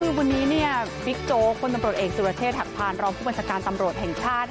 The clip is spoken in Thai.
คือวันนี้บิ๊กโจ๊กคนตำรวจเอกสุรเชษฐหักพานรองผู้บัญชาการตำรวจแห่งชาติ